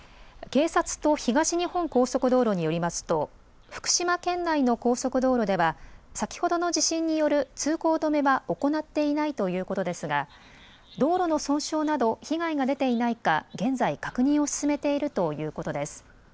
警察と東日本高速道路によりますと福島県内の高速道路では先ほどの地震による通行止めは行っていないということですが道路の損傷など被害が出ていないか現在、確認を進めているということです。